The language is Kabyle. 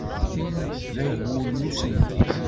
Tin d agul n uselkim.